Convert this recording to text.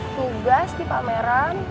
tugas di pameran